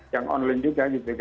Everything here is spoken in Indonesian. yang online juga gitu